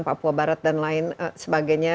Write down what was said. papua barat dan lain sebagainya